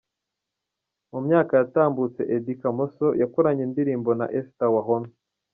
Mu myaka yatambutse Eddy Kamoso yakoranye indirimbo na Esther Wahome.